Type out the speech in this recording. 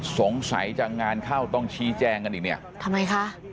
สงสัยจะงานเข้าต้องชี้แจงกันอีกเนี่ยทำไมคะ